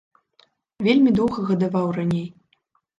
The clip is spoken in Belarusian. Вельмі доўга гадаваў раней.